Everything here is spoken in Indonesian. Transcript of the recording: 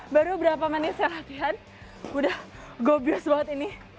baru berapa menit saya latihan udah gobious banget ini